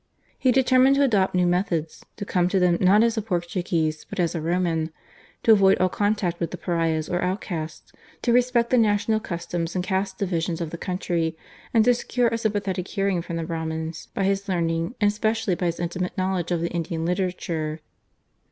He determined to adopt new methods, to come to them not as a Portuguese but as a Roman, to avoid all contact with the pariahs or outcasts, to respect the national customs and caste divisions of the country, and to secure a sympathetic hearing from the Brahmins by his learning and specially by his intimate knowledge of the Indian literature.